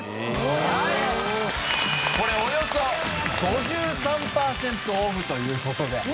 これおよそ５３パーセントオフという事で。